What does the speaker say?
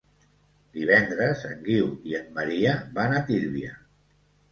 Divendres en Guiu i en Maria van a Tírvia.